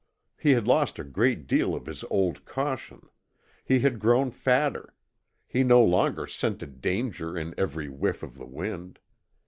He had lost a great deal of his old caution. He had grown fatter. He no longer scented danger in every whiff of the wind.